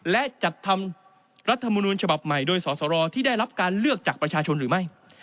และจัดทำรัฐมนูญฉบับใหม่โดยสอสรที่ได้รับการเลือกจากประชาชนหรือไม่